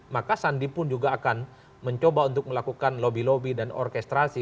maka sandi pun juga akan mencoba untuk melakukan lobby lobby dan orkestrasi